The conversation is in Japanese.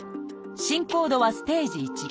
進行度はステージ１。